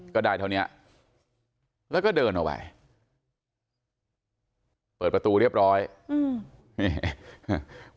ก็ได้เท่านี้แล้วก็เดินออกไปเปิดประตูเรียบร้อยอืมนี่